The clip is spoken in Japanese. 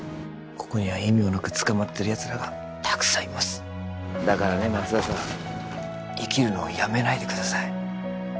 ここには意味もなく捕まってるやつらがたくさんいますだからね松田さん生きるのをやめないでください